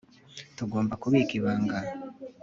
tugomba kubika ibanga